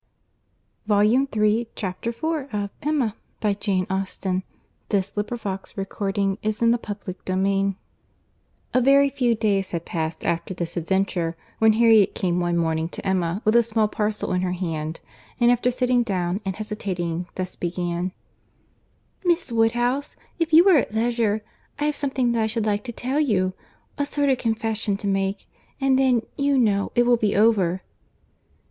y setting her right if she varied in the slightest particular from the original recital. CHAPTER IV A very few days had passed after this adventure, when Harriet came one morning to Emma with a small parcel in her hand, and after sitting down and hesitating, thus began: "Miss Woodhouse—if you are at leisure—I have something that I should like to tell you—a sort of confession to make—and then, you know, it will be over."